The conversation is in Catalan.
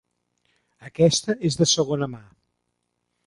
Aquesta és de segona mà.